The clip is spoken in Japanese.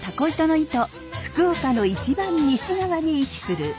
福岡の一番西側に位置する糸島。